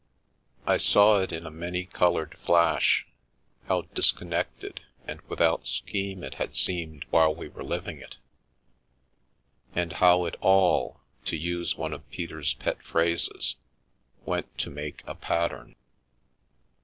I saw it in a many coloured flash — how disconnected and with out scheme it had seemed while we were living it, and 334 The View Tkonnyie Attic how it all, to use one of Petef^yjgp phrases, " went to make a pattern."